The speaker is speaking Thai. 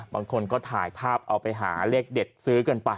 บางคนก็ถ่ายภาพเอาไปหาเลขเด็ดซื้อกันไป